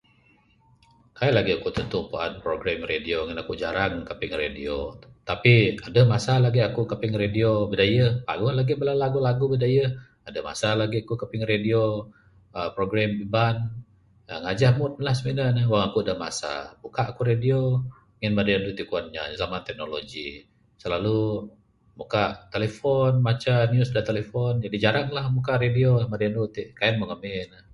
Kaik lagih ku tantu puan program radio ngin aku jarang kaping radio tapi adeh masa lagih aku kaping radio bidayuh. Paguh lagih bala lagu lagu bidayuh. Adeh masa lagih aku kaping radio aaa program iban ngajah mood lah simene ne. Wang aku adeh masa, buka ku radio. Ngin madi iti kuan inya zaman teknologi. Silalu muka'k telephone maca news da telephone jaji jarang lah muka'k radio madi anu iti. Kaik meng ngamin ne.